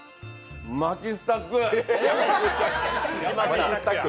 「マキスタック」！